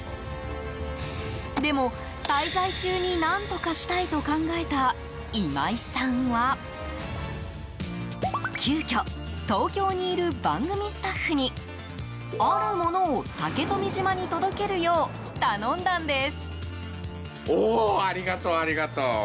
でも、滞在中に何とかしたいと考えた今井さんは急きょ、東京にいる番組スタッフにあるものを竹富島に届けるよう頼んだんです。